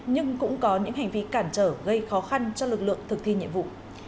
nhưng cũng có những hành vi cản trở gây khó khăn cho lực lượng thực thi nhiệm vụ